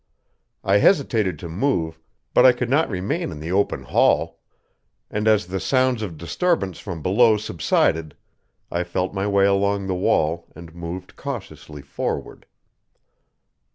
I hesitated to move, but I could not remain in the open hall; and as the sounds of disturbance from below subsided, I felt my way along the wall and moved cautiously forward.